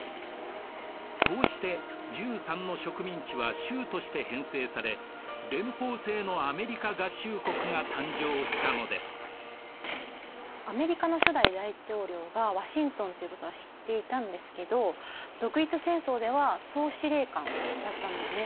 こうして１３の植民地は州として編成されアメリカの初代大統領がワシントンっていうことは知っていたんですけど独立戦争では総司令官だったんですね。